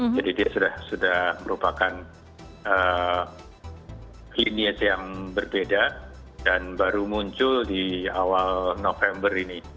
jadi dia sudah merupakan klinis yang berbeda dan baru muncul di awal november ini